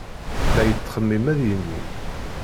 La yettxemmim ad yinig.